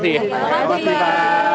terima kasih pak